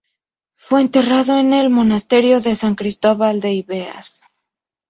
Fue enterrado en el monasterio de San Cristóbal de Ibeas.